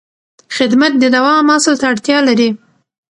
خدمت د دوام اصل ته اړتیا لري.